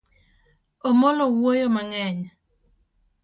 Omolo wuoyo mang'eny.